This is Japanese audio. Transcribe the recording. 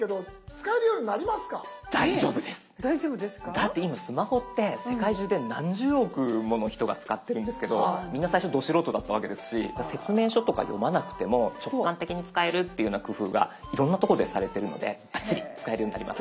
だって今スマホって世界中で何十億もの人が使ってるんですけどみんな最初ど素人だったわけですし説明書とか読まなくても直感的に使えるっていうような工夫がいろいろなとこでされてるのでバッチリ使えるようになります。